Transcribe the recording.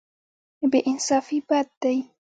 بې انصافي بد دی.